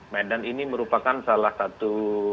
medan ini merupakan salah satu